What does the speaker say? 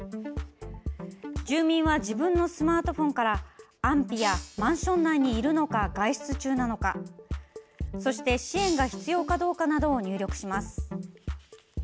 住民は自分のスマートフォンから安否やマンション内にいるのか外出中なのかそして支援が必要かどうかなどを入力します。